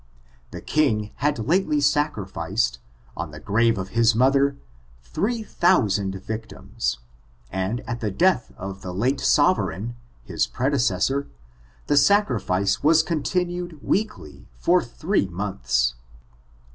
The king had lately sacrificed, on the grave of his mother, three thousand victims^ and at the death of the late sovereign, his predecessor, the sacri fice was continued weekly, for three months.